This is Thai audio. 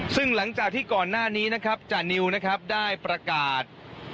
ซึ่งหลังจากที่ก่อนหน้านี้นะครับจานิวนะครับได้ประกาศ